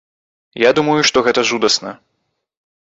Я думаю, што гэта жудасна.